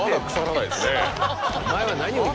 お前は何を。